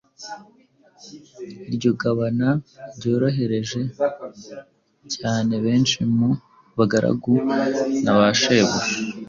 Iryo gabana ryorohereje cyane benshi mu ba garagu na bashebuja.